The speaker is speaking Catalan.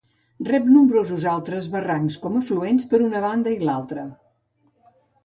Rep nombrosos altres barrancs com a afluents, per una banda i l'altra.